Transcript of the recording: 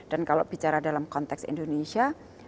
dan kalau bicara dalam konteks indonesia